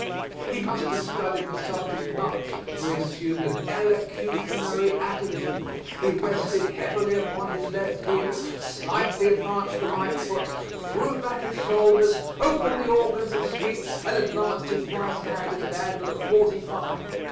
He must have studied the subject much, for he assumed an elocutionary attitude; he rested heavily upon his left heel, slightly advanced the right foot, threw back his shoulders, opened the organs of speech, and advanced his right hand at an angle of forty five.